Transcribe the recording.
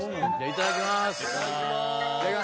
いただきます。